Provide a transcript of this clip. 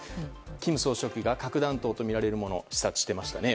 金総書記が核弾頭とみられるもの視察していましたね。